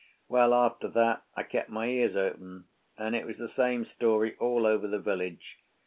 Well, after that I kept my ears open, and it was the same story all over the village.